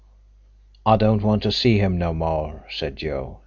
"I don't want to see him no more," said Joe.